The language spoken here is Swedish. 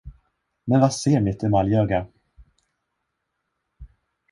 Men vad ser mitt emaljöga?